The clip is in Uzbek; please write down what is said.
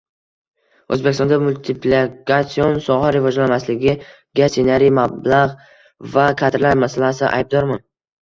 O‘zbekistonda multiplikatsion soha rivojlanmasligiga ssenariy, mablag‘ va kadrlar masalasi aybdormi?